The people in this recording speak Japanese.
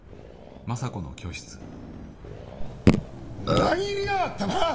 裏切りやがったな！